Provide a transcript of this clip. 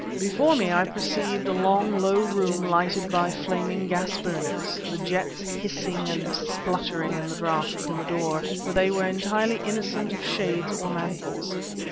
Before me I perceived a long low room lighted by flaming gas burners, the jets hissing and spluttering in the draught from the door, for they were entirely innocent of shades or mantles.